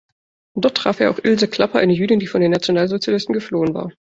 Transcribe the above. Dort traf er auch Ilse Klapper, eine Jüdin, die vor den Nationalsozialisten geflohen war.